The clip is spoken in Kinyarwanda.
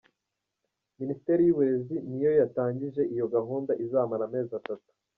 Minisiteri y’Uburezi ni yo yatangije iyo gahunda izamara amezi atatu.